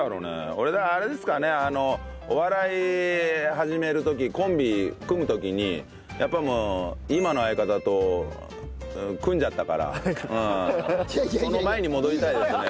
俺あれですかねお笑い始める時コンビ組む時にやっぱもう今の相方と組んじゃったからその前に戻りたいですね。